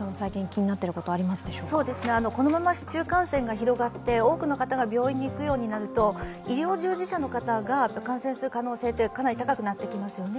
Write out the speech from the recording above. このまま市中感染が広がって多くの方が病院に行くようになると医療従事者の方が感染する可能性ってかなり高くなってきますよね。